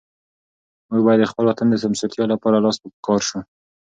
موږ باید د خپل وطن د سمسورتیا لپاره لاس په کار شو.